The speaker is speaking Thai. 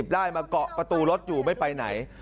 ได้มาเกาะประตูรถอยู่ไม่ไปไหน